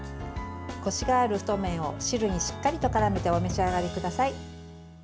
コシがある太麺を汁にしっかりとからめてお召し上がりください。